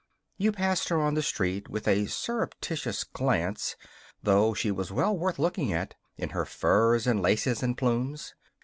You passed her on the street with a surreptitious glance, though she was well worth looking at in her furs and laces and plumes.